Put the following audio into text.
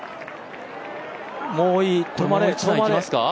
もういい、止まれ、止まれ。